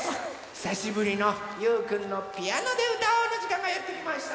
ひさしぶりの「ゆうくんのピアノでうたおう」のじかんがやってきました。